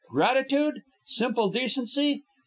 Gratitude? Simple decency?